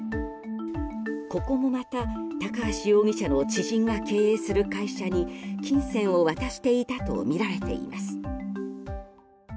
ここもまた高橋容疑者の知人が経営する会社に金銭を渡していたとみられています。